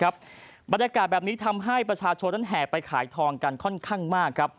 บรรยากาศแบบนี้ทำให้ประชาชนนั้นแห่ไปขายทองกันค่อนข้างมาก